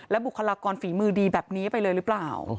บุคลากรฝีมือดีแบบนี้ไปเลยหรือเปล่า